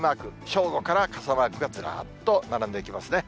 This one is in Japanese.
正午から傘マークがずらっと並んでいきますね。